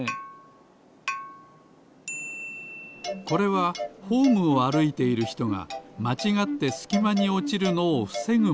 これはホームをあるいているひとがまちがってすきまにおちるのをふせぐもの。